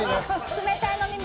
冷たい飲み物。